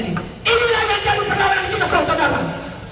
inilah yang jadul perlawanan kita saudara saudara